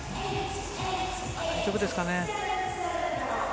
大丈夫ですかね。